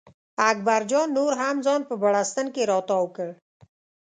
اکبر جان نور هم ځان په بړسټن کې را تاو کړ.